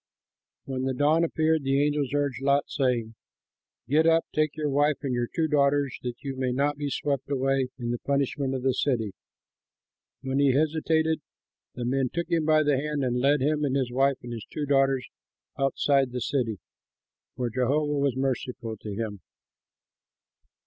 When the dawn appeared, the angels urged Lot, saying, "Get up, take your wife and your two daughters that you may not be swept away in the punishment of the city." When he hesitated, the men took him by the hand and led him and his wife and his two daughters outside the city, for Jehovah was merciful to him.